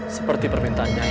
seperti permintaan nyai